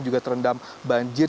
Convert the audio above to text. juga terendam banjir